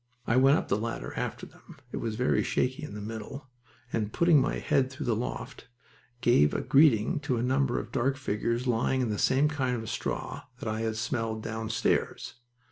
I went up the ladder after them it was very shaky in the middle and, putting my head through the loft, gave a greeting to a number of dark figures lying in the same kind of straw that I had smelled downstairs.